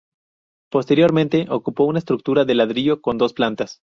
Posteriormente, ocupó una estructura de ladrillo con dos plantas.